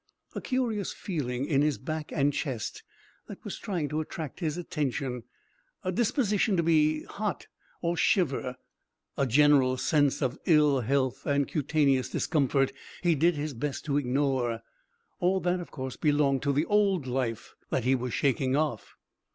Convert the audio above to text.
A curious feeling in his back and chest that was trying to attract his attention, a disposition to be hot or shiver, a general sense of ill health and cutaneous discomfort he did his best to ignore. All that of course belonged to the old life that he was shaking off.